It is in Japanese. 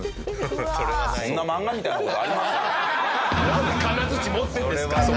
なんでかなづち持ってるんですか！